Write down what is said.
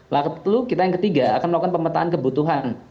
lalu kita yang ketiga akan melakukan pemetaan kebutuhan